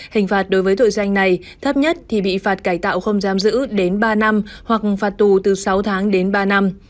hình phạt đối với tội danh này thấp nhất thì bị phạt cải tạo không giam giữ đến ba năm hoặc phạt tù từ sáu tháng đến ba năm